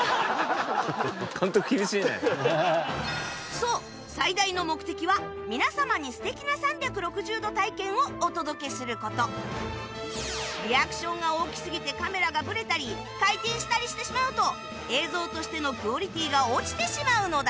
そう最大の目的は皆様にリアクションが大きすぎてカメラがブレたり回転したりしてしまうと映像としてのクオリティーが落ちてしまうのだ